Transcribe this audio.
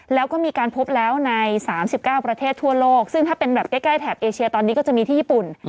แล้วก็มีการพบแล้วใน๓๙ประเทศทั่วโลกซึ่งถ้าเป็นแบบใกล้แถบเอเชียตอนนี้ก็จะมีที่ญี่ปุ่น